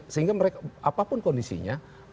sehingga mereka apapun kondisinya mereka harus tetap berpikir